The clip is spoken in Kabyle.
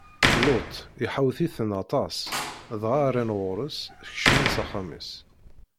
Luṭ iḥawet-iten aṭas, dɣa rran ɣur-s, kecmen s axxam-is.